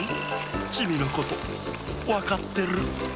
チミのことわかってる。